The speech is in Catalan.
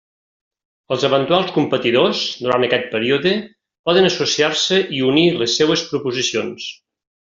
Els eventuals competidors, durant aquest període, poden associar-se i unir les seues proposicions.